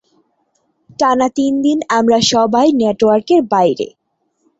টানা তিনদিন আমরা সবাই নেটওয়ার্কের বাইরে।